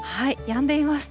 やんでいます。